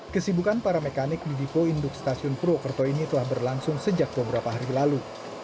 kesibukan para mekanik di dipo induk stasiun purwokerto ini telah berlangsung sejak beberapa hari lalu